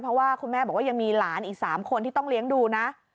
เพราะว่าคุณแม่บอกว่ายังมีหลานอีก๓คนที่ต้องเลี้ยงดูนะ